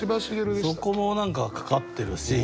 そこも何かかかってるし。